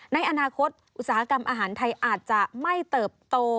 ในอนาคตอุตสาหกรรมอาหารไทยอาจจะไม่เติบโต